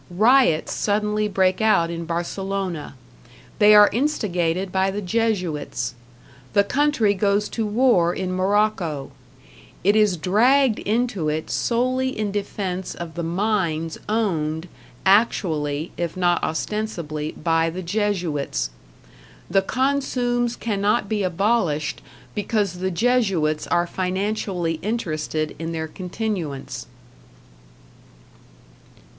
Riots suddenly break out in Barcelona; they are instigated by the Jesuits. The country goes to war in Morocco; it is dragged into it solely in defense of the mines owned, actually, if not ostensibly, by the Jesuits. The consumes cannot be abolished because the Jesuits are financially interested in their continuance.